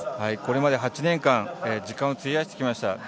これまで８年間時間を費やしてきました。